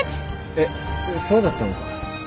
えっそうだったのか。